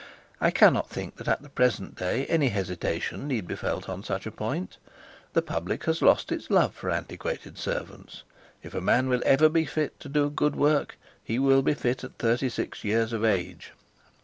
I cannot think that at the present day any hesitation need be felt on such a point. The public has lost its love for antiquated servants. If a man will ever be fit to do good work he will be fit at thirty six years of age.